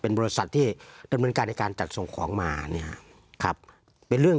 เป็นบริษัทที่ดำเนินการในการจัดส่งของมาเนี่ยฮะครับเป็นเรื่อง